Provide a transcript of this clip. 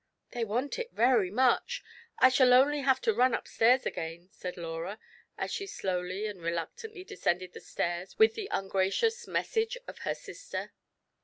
" They want it very much ; I shall only have to run up stairs again," said Laura, as she slowly and reluctantly descended the stairs with the ungracious message of her sister.